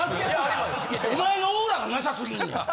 いやお前のオーラがなさすぎんねん。